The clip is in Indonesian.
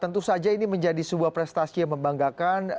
tentu saja ini menjadi sebuah prestasi yang membanggakan